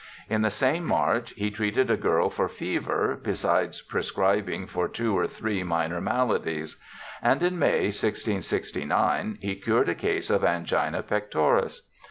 In the same March he treated a girl for fever, besides prescribing for two or three minor maladies ; and in May, 1669, he cured a case of angina pectoris.